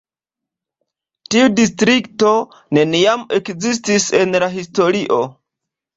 Tiu distrikto neniam ekzistis en la historio.